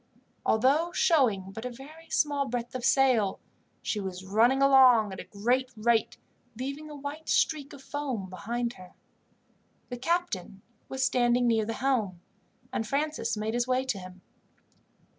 Although showing but a very small breadth of sail, she was running along at a great rate, leaving a white streak of foam behind her. The captain was standing near the helm, and Francis made his way to him.